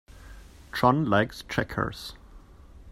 John likes checkers.